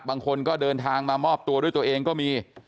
บางคนก็เดินทางมามอบตัวด้วยตัวเองก็มี